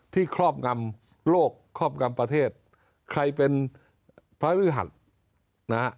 ครอบงำโลกครอบงำประเทศใครเป็นพระฤหัสนะฮะ